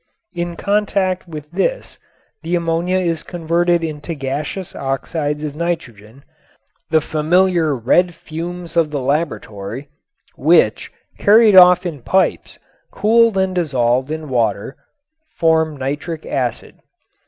In contact with this the ammonia is converted into gaseous oxides of nitrogen (the familiar red fumes of the laboratory) which, carried off in pipes, cooled and dissolved in water, form nitric acid.